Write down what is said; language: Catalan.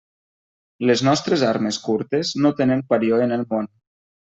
Les nostres armes curtes no tenen parió en el món.